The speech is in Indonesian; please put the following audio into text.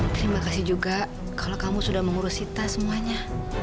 terima kasih juga kalau kamu sudah mengurus sita semuanya